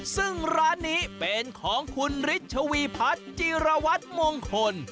ซึ่งร้านนี้เป็นของคุณฤชวีพัฒน์จีรวัตรมงคล